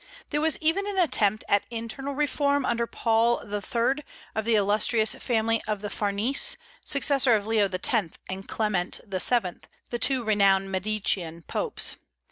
There was even an attempt at internal reform under Paul III. of the illustrious family of the Farnese, successor of Leo X. and Clement VII., the two renowned Medicean popes.